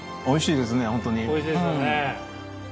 おいしいですよね。